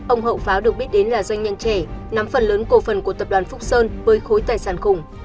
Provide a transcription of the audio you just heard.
ông hậu pháo được biết đến là doanh nhân trẻ nắm phần lớn cổ phần của tập đoàn phúc sơn với khối tài sản khủng